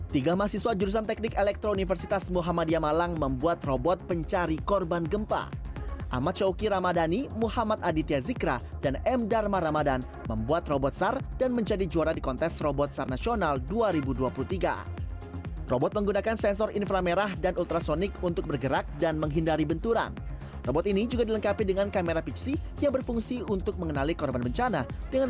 tiga mahasiswa jurusan teknik elektro universitas muhammadiyah malang membuat robot pencahayaan